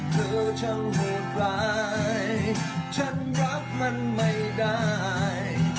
เธอช่างเหตุรายฉันรับมันไม่ได้